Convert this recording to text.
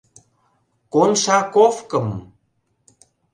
«Коншаковкым»!